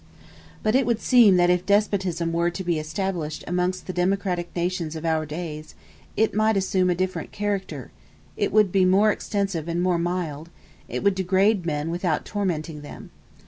But it would seem that if despotism were to be established amongst the democratic nations of our days, it might assume a different character; it would be more extensive and more mild; it would degrade men without tormenting them.